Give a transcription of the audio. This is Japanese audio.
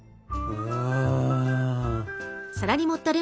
うん。